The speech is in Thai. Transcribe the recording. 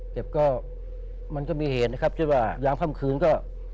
แต่ก็มันก็มีเหตุนะครับที่ว่ายามค่ำคืนก็